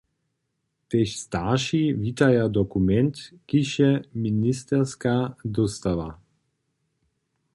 Tež starši witaja dokument, kiž je ministerka dóstała.